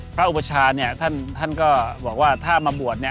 พระอุปเช้าแท่นก็บอกว่าถ้ามาบวช